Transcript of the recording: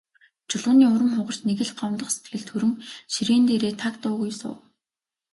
Чулууны урам хугарч, нэг л гомдох сэтгэл төрөн ширээн дээрээ таг дуугүй суув.